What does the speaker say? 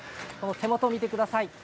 手元を見てください。